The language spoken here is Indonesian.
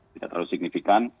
tidak terlalu signifikan